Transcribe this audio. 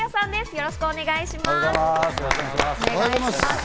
よろしくお願いします。